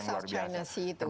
termasuk south china sea itu kan